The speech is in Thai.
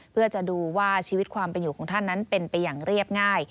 เพื่อจะดูว่าชีวิตความเป็นอยู่ของท่านนั้นเป็นไปอย่างเรียบง่าย